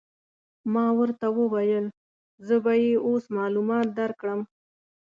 ما ورته وویل: زه به يې اوس معلومات در وکړم.